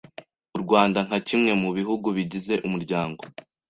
U Rwanda nka kimwe mu bihugu bigize Umuryango